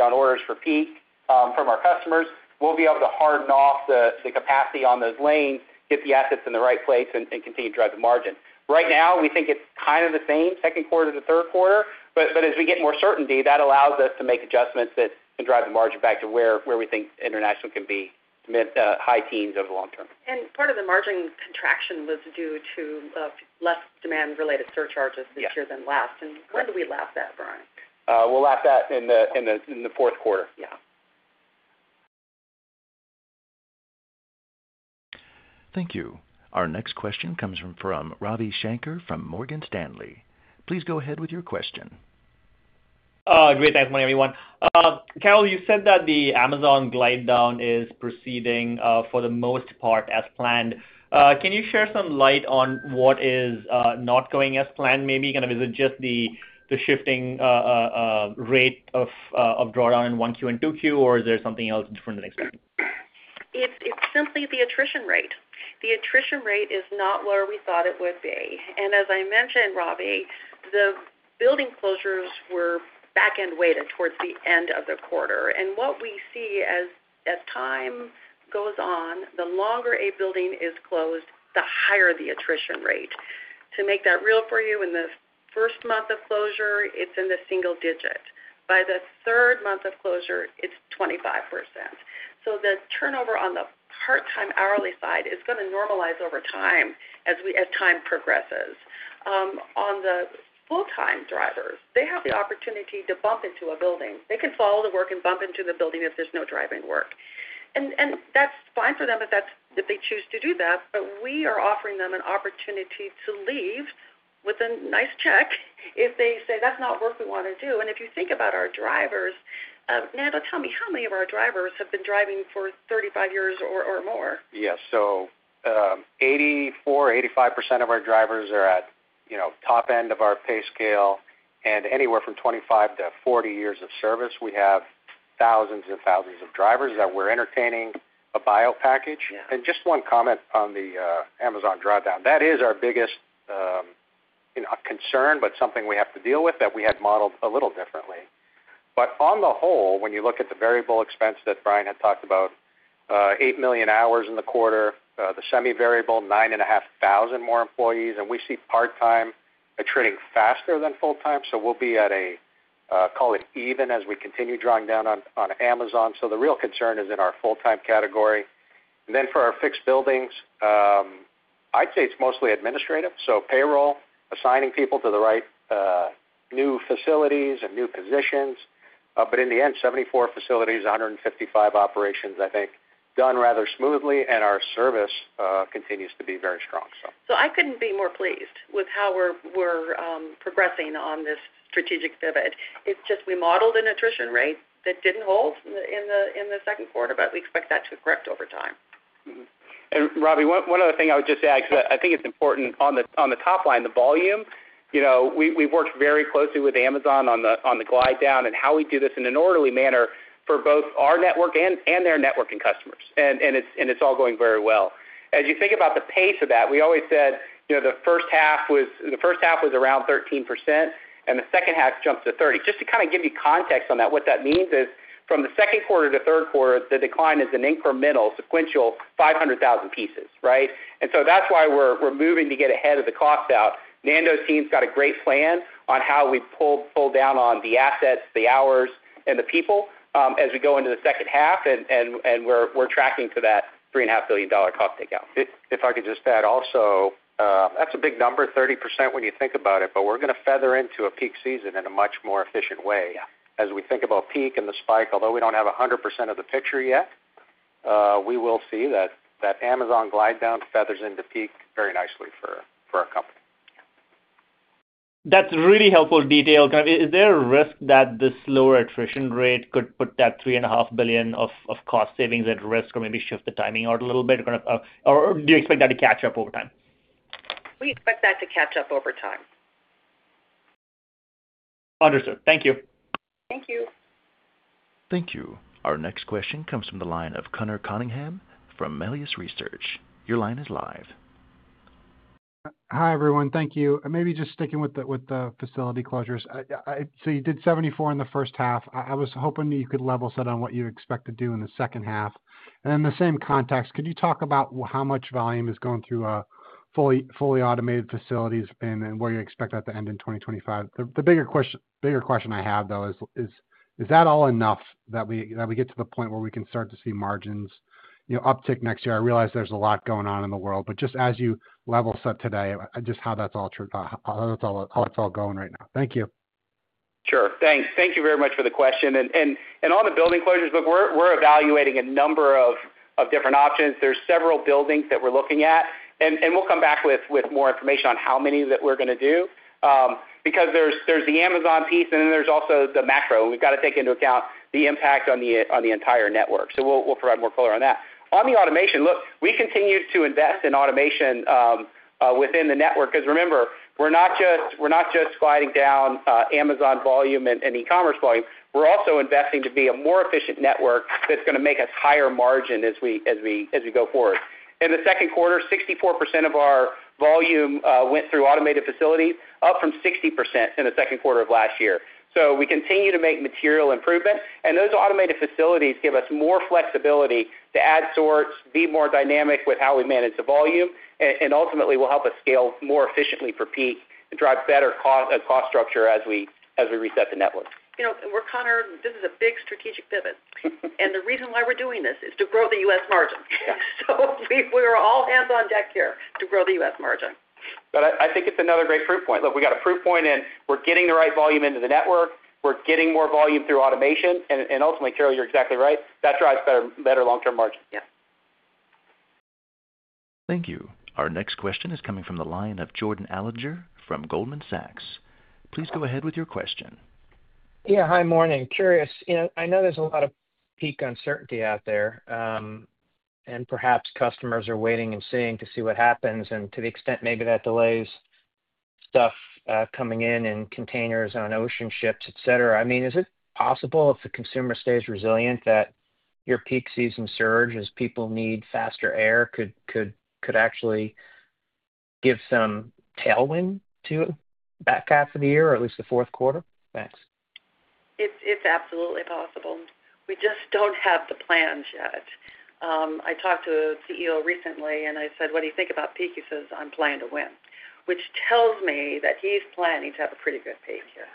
on orders for peak from our customers, we'll be able to harden off the capacity on those lanes, get the assets in the right place, and continue to drive the margin. Right now, we think it's kind of the same second quarter to third quarter. As we get more certainty, that allows us to make adjustments that can drive the margin back to where we think international can be high teens over the long term. Part of the margin contraction was due to less demand-related surcharges this year than last. When do we lap that, Brian? We'll lap that in the fourth quarter. Yeah. Thank you. Our next question comes from Ravi Shanker from Morgan Stanley. Please go ahead with your question. Great. Thanks for the morning, everyone. Carol, you said that the Amazon glide down is proceeding for the most part as planned. Can you share some light on what is not going as planned maybe? Is it just the shifting rate of drawdown in 1Q and 2Q, or is there something else different than expected? It's simply the attrition rate. The attrition rate is not where we thought it would be. As I mentioned, Ravi, the building closures were back-end weighted towards the end of the quarter. What we see as time goes on, the longer a building is closed, the higher the attrition rate. To make that real for you, in the first month of closure, it's in the single digit. By the third month of closure, it's 25%. The turnover on the part-time hourly side is going to normalize over time as time progresses. On the full-time drivers, they have the opportunity to bump into a building. They can follow the work and bump into the building if there's no driving work. That's fine for them if they choose to do that. We are offering them an opportunity to leave with a nice check if they say, "That's not work we want to do." If you think about our drivers, Nando, tell me how many of our drivers have been driving for 35 years or more. Yes. So, 84-85% of our drivers are at the top end of our pay scale and anywhere from 25-40 years of service. We have thousands and thousands of drivers that we're entertaining a buyout package. And just one comment on the Amazon drawdown. That is our biggest concern, but something we have to deal with that we had modeled a little differently. On the whole, when you look at the variable expense that Brian had talked about, 8 million hours in the quarter, the semi-variable, 9,500 more employees. We see part-time attriting faster than full-time. We'll be at a, call it even as we continue drawing down on Amazon. The real concern is in our full-time category. For our fixed buildings, I'd say it's mostly administrative. payroll, assigning people to the right new facilities and new positions. In the end, 74 facilities, 155 operations, I think, done rather smoothly. Our service continues to be very strong, so. I couldn't be more pleased with how we're progressing on this strategic pivot. It's just we modeled an attrition rate that didn't hold in the second quarter, but we expect that to correct over time. Ravi, one other thing I would just add because I think it is important. On the top line, the volume, we have worked very closely with Amazon on the glide down and how we do this in an orderly manner for both our network and their network and customers. It is all going very well. As you think about the pace of that, we always said the first half was around 13%, and the second half jumped to 30%. Just to kind of give you context on that, what that means is from the second quarter to third quarter, the decline is an incremental, sequential 500,000 pieces, right? That is why we are moving to get ahead of the cost out. Nando's team has got a great plan on how we pull down on the assets, the hours, and the people as we go into the second half. We are tracking to that $3.5 billion cost takeout. If I could just add also, that is a big number, 30% when you think about it, but we are going to feather into a peak season in a much more efficient way. As we think about peak and the spike, although we do not have 100% of the picture yet, we will see that Amazon glide down feathers into peak very nicely for our company. That's a really helpful detail. Is there a risk that the slower attrition rate could put that $3.5 billion of cost savings at risk or maybe shift the timing out a little bit? Or do you expect that to catch up over time? We expect that to catch up over time. Understood. Thank you. Thank you. Thank you. Our next question comes from the line of Conor Cunningham from Melius Research. Your line is live. Hi, everyone. Thank you. Maybe just sticking with the facility closures. You did 74 in the first half. I was hoping you could level set on what you expect to do in the second half. In the same context, could you talk about how much volume is going through fully automated facilities and where you expect that to end in 2025? The bigger question I have, though, is is that all enough that we get to the point where we can start to see margins uptick next year? I realize there's a lot going on in the world, but just as you level set today, just how that's all going right now. Thank you. Sure. Thanks. Thank you very much for the question. On the building closures, look, we're evaluating a number of different options. There are several buildings that we're looking at. We will come back with more information on how many that we're going to do. There is the Amazon piece, and then there is also the macro. We have to take into account the impact on the entire network. We will provide more color on that. On the automation, look, we continue to invest in automation within the network. Because remember, we're not just gliding down Amazon volume and e-commerce volume. We're also investing to be a more efficient network that's going to make us higher margin as we go forward. In the second quarter, 64% of our volume went through automated facilities, up from 60% in the second quarter of last year. We continue to make material improvements. Those automated facilities give us more flexibility to add sorts, be more dynamic with how we manage the volume, and ultimately will help us scale more efficiently for peak and drive better cost structure as we reset the network. You know, Conor, this is a big strategic pivot. The reason why we're doing this is to grow the U.S. margin. We are all hands on deck here to grow the U.S. margin. I think it's another great proof point. Look, we got a proof point in. We're getting the right volume into the network. We're getting more volume through automation. Ultimately, Carol, you're exactly right. That drives better long-term margin. Thank you. Our next question is coming from the line of Jordan Alliger from Goldman Sachs. Please go ahead with your question. Yeah, hi, morning. Curious. I know there's a lot of peak uncertainty out there. Perhaps customers are waiting and seeing to see what happens. To the extent maybe that delays stuff coming in in containers on ocean ships, et cetera. I mean, is it possible if the consumer stays resilient that your peak season surge as people need faster air could actually give some tailwind to that half of the year or at least the fourth quarter? Thanks. It's absolutely possible. We just don't have the plans yet. I talked to a CEO recently, and I said, "What do you think about peak?" He says, "I'm planning to win," which tells me that he's planning to have a pretty good peak here.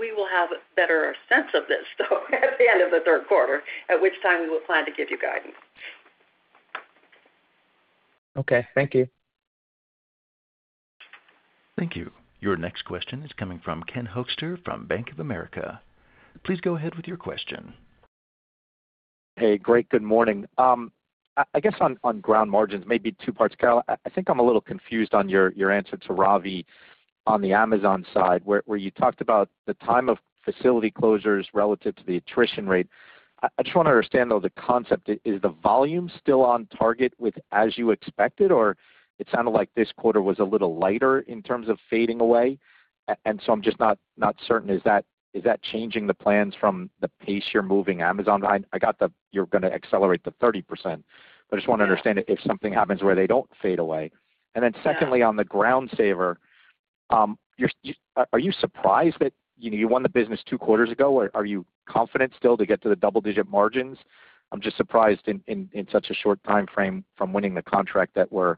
We will have a better sense of this story at the end of the third quarter, at which time we will plan to give you guidance. Okay. Thank you. Thank you. Your next question is coming from Ken Hoexter from Bank of America. Please go ahead with your question. Hey, great. Good morning. I guess on ground margins, maybe two parts. Carol, I think I'm a little confused on your answer to Ravi on the Amazon side where you talked about the timing of facility closures relative to the attrition rate. I just want to understand, though, the concept. Is the volume still on target as you expected, or it sounded like this quarter was a little lighter in terms of fading away? I'm just not certain. Is that changing the plans from the pace you're moving Amazon behind? I got that you're going to accelerate to 30%. I just want to understand if something happens where they do not fade away. Secondly, on the Ground Saver. Are you surprised that you won the business two quarters ago? Are you confident still to get to the double-digit margins? I'm just surprised in such a short time frame from winning the contract that we're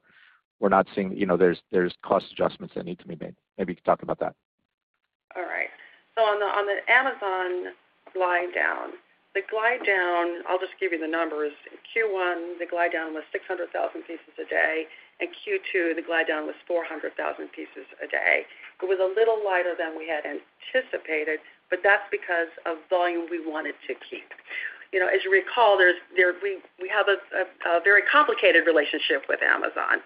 not seeing there are cost adjustments that need to be made. Maybe you could talk about that. All right. On the Amazon glide down, the glide down, I'll just give you the numbers. Q1, the glide down was 600,000 pieces a day. Q2, the glide down was 400,000 pieces a day. It was a little lighter than we had anticipated, but that's because of volume we wanted to keep. As you recall, we have a very complicated relationship with Amazon.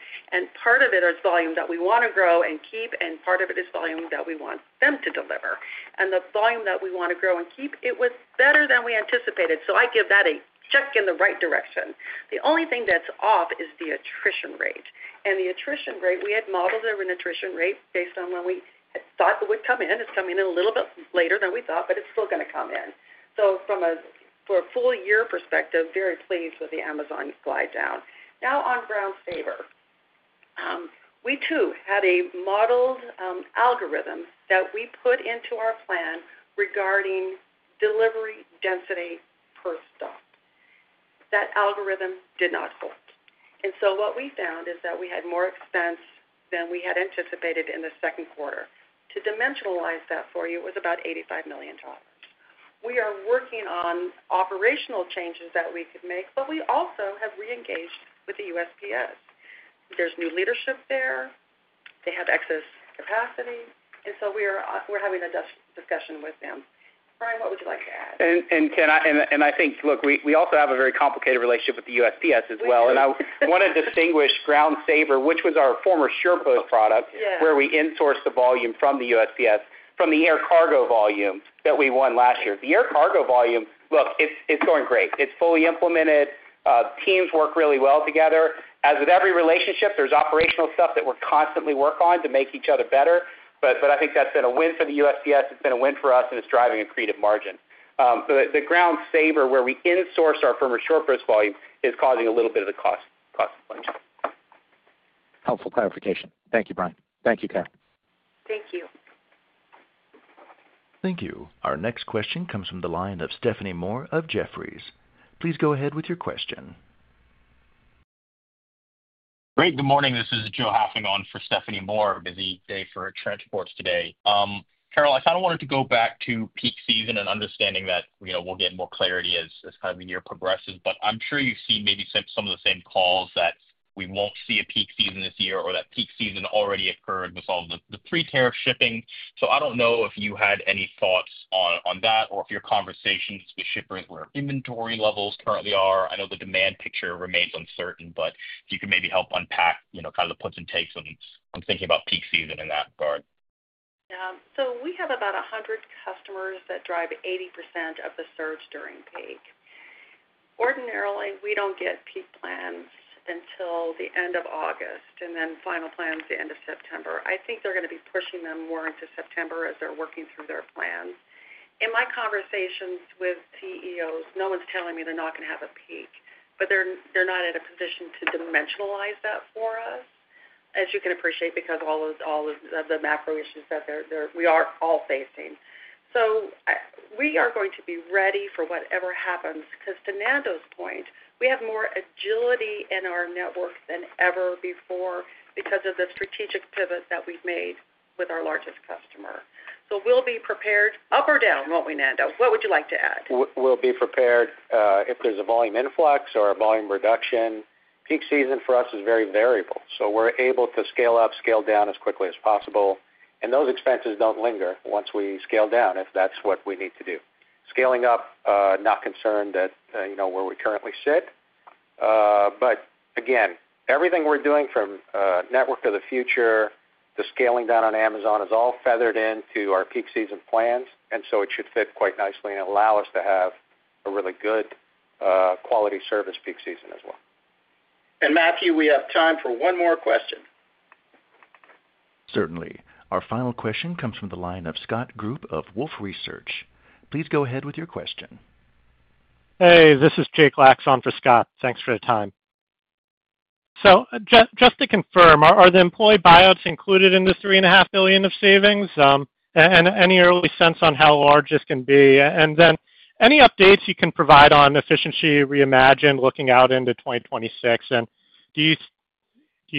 Part of it is volume that we want to grow and keep, and part of it is volume that we want them to deliver. The volume that we want to grow and keep, it was better than we anticipated. I give that a check in the right direction. The only thing that's off is the attrition rate. The attrition rate, we had modeled it with an attrition rate based on when we thought it would come in. It's coming in a little bit later than we thought, but it's still going to come in. From a full-year perspective, very pleased with the Amazon glide down. Now, on Ground Saver. We too had a modeled algorithm that we put into our plan regarding delivery density per stop. That algorithm did not hold. What we found is that we had more expense than we had anticipated in the second quarter. To dimensionalize that for you, it was about $85 million. We are working on operational changes that we could make, but we also have re-engaged with the USPS. There is new leadership there. They have excess capacity. We are having a discussion with them. Brian, what would you like to add? I think, look, we also have a very complicated relationship with the USPS as well. I want to distinguish Ground Saver, which was our former SurePost product, where we insourced the volume from the USPS, from the air cargo volume that we won last year. The air cargo volume, look, it's going great. It's fully implemented. Teams work really well together. As with every relationship, there's operational stuff that we're constantly working on to make each other better. I think that's been a win for the USPS. It's been a win for us, and it's driving accretive margin. The Ground Saver, where we insource our former SurePost volume, is causing a little bit of the cost. Helpful clarification. Thank you, Brian. Thank you, Carol. Thank you. Thank you. Our next question comes from the line of Stephanie Moore of Jefferies. Please go ahead with your question. Great. Good morning. This is Joe Hafling on for Stephanie Moore. Busy day for Transport today. Carol, I kind of wanted to go back to peak season and understanding that we'll get more clarity as kind of the year progresses. I'm sure you've seen maybe some of the same calls that we won't see a peak season this year or that peak season already occurred with all the pre-term shipping. I don't know if you had any thoughts on that or if your conversations with shippers were inventory levels currently are. I know the demand picture remains uncertain, but if you can maybe help unpack kind of the puts and takes on thinking about peak season in that regard. We have about 100 customers that drive 80% of the surge during peak. Ordinarily, we do not get peak plans until the end of August and then final plans at the end of September. I think they are going to be pushing them more into September as they are working through their plans. In my conversations with CEOs, no one is telling me they are not going to have a peak, but they are not in a position to dimensionalize that for us, as you can appreciate, because of all the macro issues that we are all facing. We are going to be ready for whatever happens. To Nando's point, we have more agility in our network than ever before because of the strategic pivot that we have made with our largest customer. We will be prepared up or down, will we not, Nando? What would you like to add? We'll be prepared if there's a volume influx or a volume reduction. Peak season for us is very variable. We're able to scale up, scale down as quickly as possible. Those expenses do not linger once we scale down if that's what we need to do. Scaling up, not concerned at where we currently sit. Everything we're doing from Network of the Future, the scaling down on Amazon is all feathered into our peak season plans. It should fit quite nicely and allow us to have a really good, quality service peak season as well. Matthew, we have time for one more question. Certainly. Our final question comes from the line of Scott Group of Wolfe Research. Please go ahead with your question. Hey, this is Jake Lacks on for Scott. Thanks for the time. Just to confirm, are the employee buyouts included in the $3.5 billion of savings? Any early sense on how large this can be? Any updates you can provide on Efficiency Reimagined looking out into 2026? Do you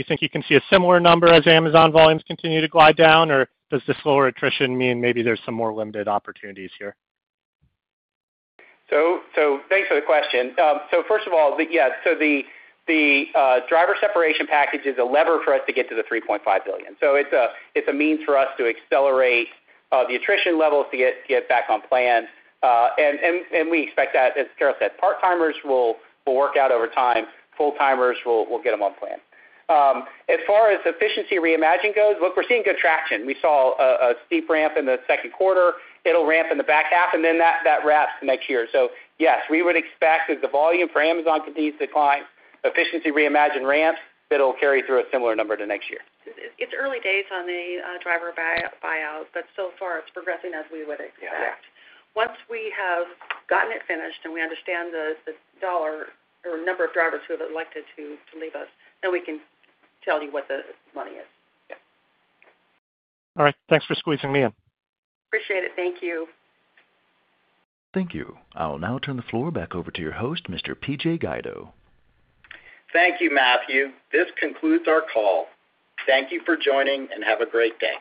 think you can see a similar number as Amazon volumes continue to glide down, or does the slower attrition mean maybe there are some more limited opportunities here? Thanks for the question. First of all, yeah, the driver separation package is a lever for us to get to the $3.5 billion. It is a means for us to accelerate the attrition levels to get back on plan. We expect that, as Carol said, part-timers will work out over time. Full-timers, we will get them on plan. As far as Efficiency Reimagined goes, look, we are seeing good traction. We saw a steep ramp in the second quarter. It will ramp in the back half, and then that wraps next year. Yes, we would expect as the volume for Amazon continues to decline, Efficiency Reimagined ramps, it will carry through a similar number to next year. It's early days on the driver buyouts, but so far it's progressing as we would expect. Once we have gotten it finished and we understand the number of drivers who have elected to leave us, then we can tell you what the money is. All right. Thanks for squeezing me in. Appreciate it. Thank you. Thank you. I'll now turn the floor back over to your host, Mr. PJ Guido. Thank you, Matthew. This concludes our call. Thank you for joining and have a great day.